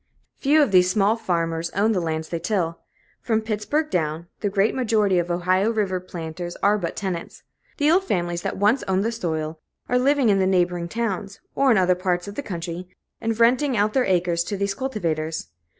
Few of these small farmers own the lands they till; from Pittsburg down, the great majority of Ohio River planters are but tenants. The old families that once owned the soil are living in the neighboring towns, or in other parts of the country, and renting out their acres to these cultivators.